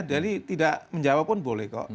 jadi tidak menjawab pun boleh kok